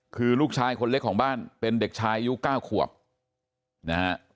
คือลูกชายคนเล็กของบ้านเป็นเด็กชายอายุ๙ขวบนะฮะ